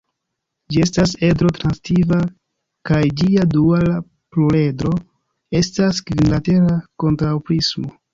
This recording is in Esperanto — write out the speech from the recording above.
Ĝi estas edro-transitiva kaj ĝia duala pluredro estas kvinlatera kontraŭprismo.